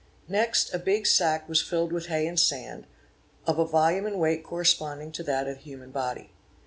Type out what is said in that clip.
Next a big sack was filled — with hay and sand, of a volume and weight corresponding to that of the human body.